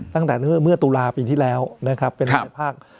ตั้งแต่เมื่อตุลาปีที่แล้วนะครับเป็นในภาค